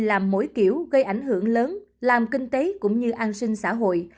tránh mỗi nơi làm mỗi kiểu gây ảnh hưởng lớn làm kinh tế cũng như an sinh xã hội